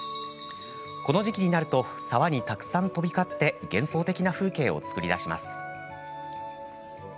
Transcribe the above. この時期になると沢にたくさん飛び交って幻想的な風景を作り出します。